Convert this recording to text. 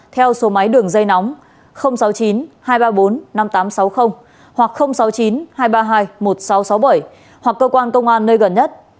theo số máy đường dây nóng sáu mươi chín hai trăm ba mươi bốn năm nghìn tám trăm sáu mươi hoặc sáu mươi chín hai trăm ba mươi hai một nghìn sáu trăm sáu mươi bảy hoặc cơ quan công an nơi gần nhất